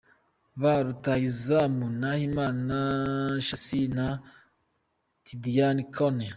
Ba Rutahizmu:Nahimana Shassir na Tidiane Kone.